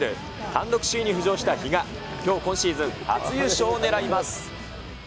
単独首位に浮上した比嘉、きょう、今シーズン初優勝を狙います。